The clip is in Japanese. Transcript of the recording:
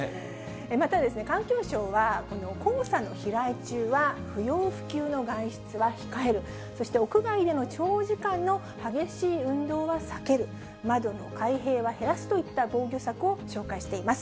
また、環境省は、この黄砂の飛来中は、不要不急の外出は控える、そして屋外での長時間の激しい運動は避ける、窓の開閉は減らすといった防御策を紹介しています。